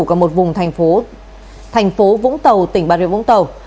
cả một vùng thành phố vũng tàu tỉnh bà rịa vũng tàu